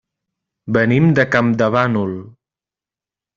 Venim de Campdevànol.